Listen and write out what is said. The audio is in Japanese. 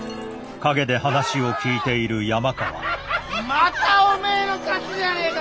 またおめえの勝ちじゃねえか！